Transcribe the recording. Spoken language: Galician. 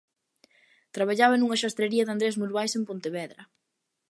Traballaba nunha xastrería de Andrés Muruais en Pontevedra.